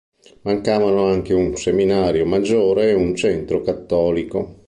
Mancavano anche un seminario maggiore e un centro cattolico.